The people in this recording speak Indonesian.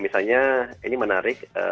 misalnya ini menarik